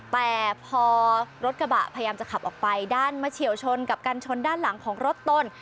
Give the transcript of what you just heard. แต่พอรถกระบะพยายามจะขับออกไปด้านมาเฉียวชนกับกันชนด้านหลังของรถตน